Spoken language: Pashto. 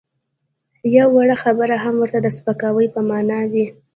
یوه وړه خبره هم ورته د سپکاوي په مانا وي.